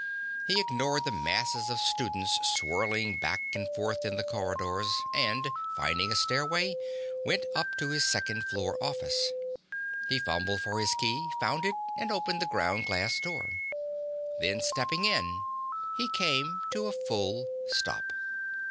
He ignored the masses of students swirling back and forth in the corridors, and, finding a stairway, went up to his second floor office. He fumbled for his key, found it, and opened the ground glass door. Then, stepping in, he came to a full stop.